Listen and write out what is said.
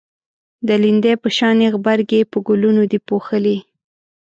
د لیندۍ په شانی غبرگی په گلونو دی پوښلی